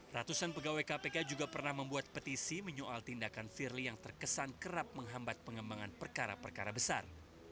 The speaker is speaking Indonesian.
ratusan pegawai kpk juga pernah membuat petisi menyoal tindakan firly yang terkesan kerap menghambat pengembangan perkara perkara besar